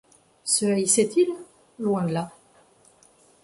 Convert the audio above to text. Se haïssaient-ils? loin de là.